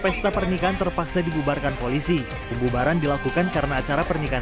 pesta pernikahan terpaksa dibubarkan polisi pembubaran dilakukan karena acara pernikahan